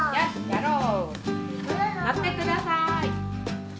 のってください。